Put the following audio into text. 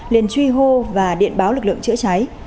liền truy hô và điện báo lực lượng chữa cháy